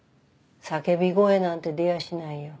叫び声なんて出やしないよ。